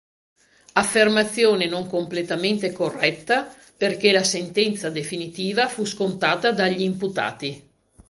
Affermazione non completamente corretta perché la sentenza definitiva fu scontata dagli imputati.